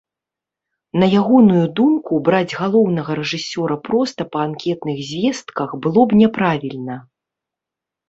На ягоную думку, браць галоўнага рэжысёра проста па анкетных звестках было б няправільна.